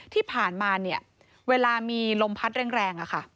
ที่ผ่านมาเวลามีลมพัดแรง